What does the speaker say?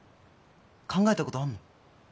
考えたことあんの？